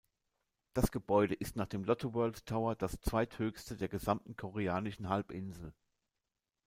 Das Gebäude ist nach dem Lotte World Tower das zweithöchste der gesamten koreanischen Halbinsel.